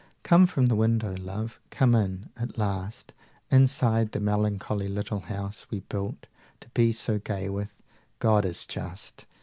210 Come from the window, love come in, at last, Inside the melancholy little house We built to be so gay with. God is just.